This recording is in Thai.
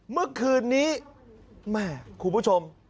เมื่อคืนนี้แม่คุณผู้ชม